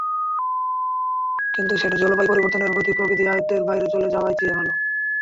কিন্তু সেটা জলবায়ু পরিবর্তনের গতি-প্রকৃতি আয়ত্তের বাইরে চলে যাওয়ার চেয়ে ভালো।